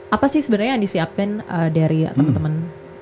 apa sih sebenarnya yang disiapkan dari teman teman